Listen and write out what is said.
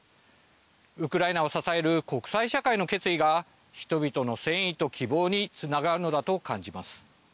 ウクライナを支える国際社会の決意が人々の戦意と希望につながるのだと感じます。